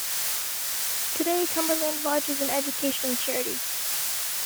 Today Cumberland Lodge is an educational charity.